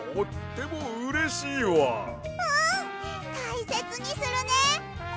うんたいせつにするね！